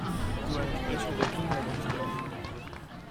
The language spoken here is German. So ein Sprecher der Kinderrechtler.